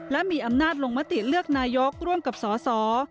และมีอำนาจลงมติเลือกนายกร่วมกับสส